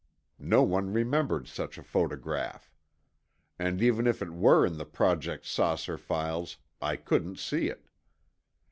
No one remembered such a photograph. And even if it were in the Project "Saucer" files, I couldn't see it.